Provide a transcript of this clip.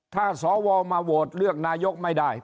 ถ้าสวมาโหวตเลือกนายกไม่ได้